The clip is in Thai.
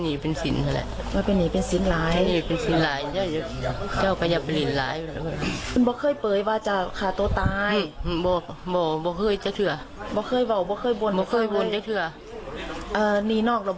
หนีไล่วันเนี่ย